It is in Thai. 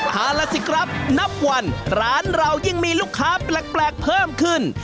เอาล่ะสิครับนับวันร้านเรายิ่งมีลูกค้าแปลกเพิ่มขึ้น